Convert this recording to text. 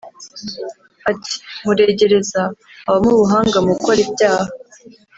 Ati “Muregereza habamo ubuhanga mu gukora ibyaha